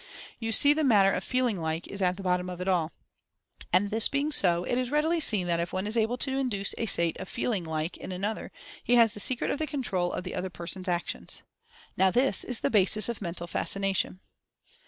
You see the matter of "FEELING LIKE" is at the bottom of it all. And this being so, it is readily seen that if one is able to induce a state of "feeling like" in another, he has the secret of the control of the other person's actions. Now this is the BASIS OF MENTAL FASCINA TION!